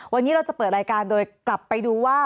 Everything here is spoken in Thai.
วันนี้เราจะเปิดรายการโดยกลับไปดูว่า